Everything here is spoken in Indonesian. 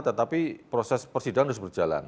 tetapi proses persidangan harus berjalan